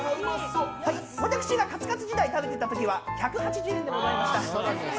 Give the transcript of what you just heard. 私がカツカツ時代食べていた時は１８０円でございました。